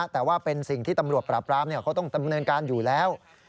แต่ว่าเป็นสิ่งที่ตำรวจปราบรามเขาต้องดำเนินการอยู่แล้ว